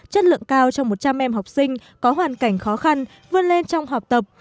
chất lượng cao cho một trăm linh em học sinh có hoàn cảnh khó khăn vươn lên trong học tập